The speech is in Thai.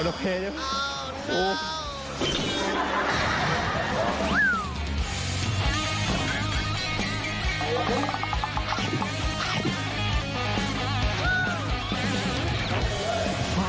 มันโอเคใช่มั้ย